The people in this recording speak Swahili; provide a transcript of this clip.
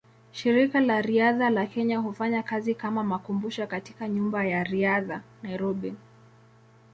Shirika la Riadha la Kenya hufanya kazi kama makumbusho katika Nyumba ya Riadha, Nairobi.